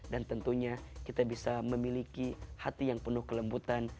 dan tentunya kita bisa memiliki hati yang penuh kelembutan